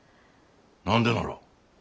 何でなら。